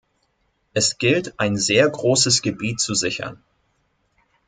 Es gilt, ein sehr großes Gebiet zu sichern.